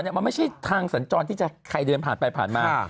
มันไม่ใช่ทางสัญจรที่จะใครเดินผ่านไปผ่านมา